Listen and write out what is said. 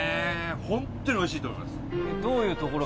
本当においしいと思います。